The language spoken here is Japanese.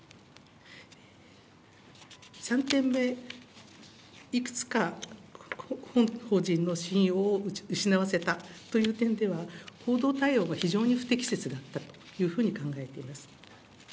３点目、いくつか本法人の信用を失わせたという点では、報道対応が非常に不適切だったというふうに考えています。